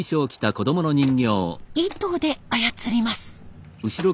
糸で操ります。